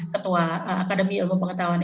ketua akademi ilmu pengetahuan